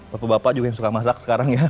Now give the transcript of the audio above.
bapak bapak juga yang suka masak sekarang ya